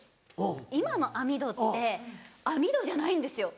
今の網戸って網戸じゃないんですよ。